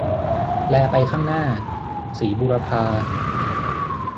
แลไปข้างหน้า - ศรีบูรพา